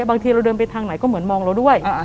บางทีเราเดินไปทางไหนก็เหมือนมองเราด้วย